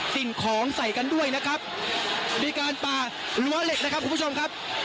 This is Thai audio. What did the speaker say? สิ่งของใส่กันด้วยนะครับมีการป่ารั้วเหล็กนะครับคุณผู้ชมครับ